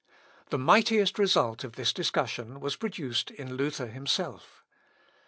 The mightiest result of this discussion was produced in Luther himself.